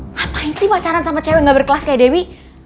ngapain sih pacaran sama cewek gak berkelas kayak dewi